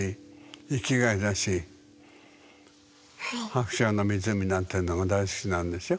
「白鳥の湖」なんていうのが大好きなんでしょ？